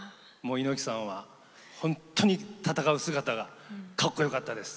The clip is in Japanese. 猪木さんは、本当に戦う姿がかっこよかったです。